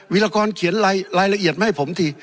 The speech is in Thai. วิรากรเขียนรายละเอียดมาให้ผมที